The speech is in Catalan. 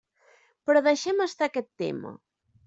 Però deixem estar aquest tema.